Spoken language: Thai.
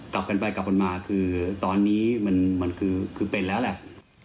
กลับกันไปกลับกันมาคือตอนนี้มันคือเป็นแล้วแหละ